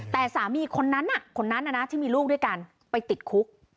แต่สามีคนนั้นคนนั้นที่มีลูกด้วยกันไปติดคุก